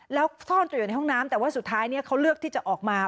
แล้วซ่อนตัวอยู่ในห้องน้ำแต่ว่าสุดท้ายเขาเลือกที่จะออกมา